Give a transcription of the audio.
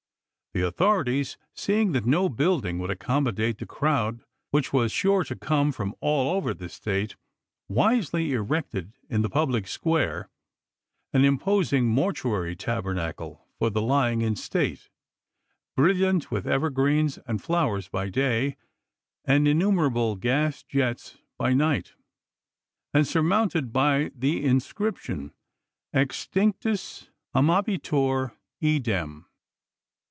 The authorities, seeing April, 1865. that no building could accommodate the crowd which was sure to come from all over the State, wisely erected in the public square an imposing mortuary tabernacle for the lying in state, brilliant with evergreens and flowers by day, and innu merable gas jets by night, and surmounted by the inscription, Extinctus amabitur idem.